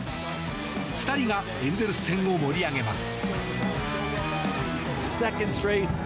２人がエンゼルス戦を盛り上げます。